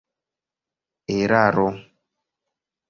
eraro